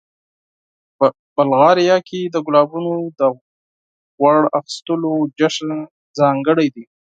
بلغاریا کې د ګلابونو د غوړ اخیستلو جشن ځانګړی دی.